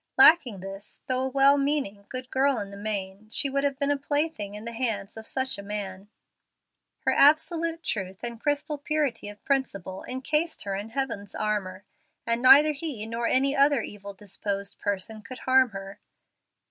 Lacking this, though a well meaning, good girl in the main, she would have been a plaything in the hands of such a man. Her absolute truth and crystal purity of principle incased her in heaven's armor, and neither he nor any other evil disposed person could harm her.